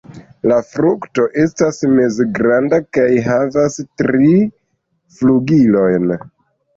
La frukto estas mezgranda kaj havas tri flugilojn.